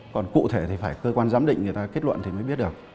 còn cụ thể thì phải cơ quan giám định người ta kết luận thì mới biết được